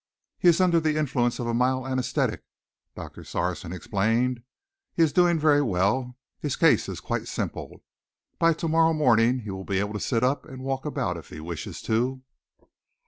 "He is under the influence of a mild anaesthetic," Doctor Sarson explained. "He is doing very well. His case is quite simple. By to morrow morning he will be able to sit up and walk about if he wishes to."